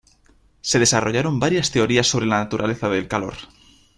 Se desarrollaron varias teorías sobre la naturaleza del calor.